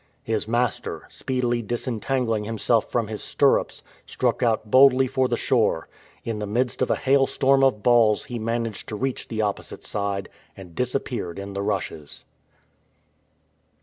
His master, speedily disentangling himself from his stirrups, struck out boldly for the shore. In the midst of a hailstorm of balls he managed to reach the opposite side, and disappeared in the rushes.